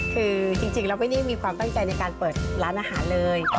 คือจริงแล้วไม่ได้มีความตั้งใจในการเปิดร้านอาหารเลย